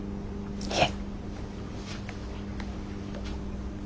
いえ。